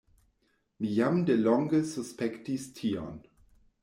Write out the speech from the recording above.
Mi jam delonge suspektis tion.